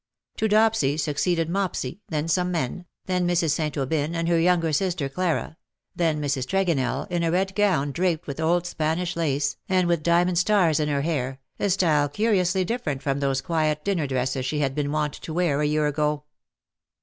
To Dopsy succeeded Mopsy, then some men, then Mrs. St. Aubyn and her younger daughter Clara, then Mrs. Tregonell, in a red gown draped with old Spanish lace, and with diamond stars in her hair, a style curiously diff'erent from those quiet dinner dresses she had been wont to wear a year ago.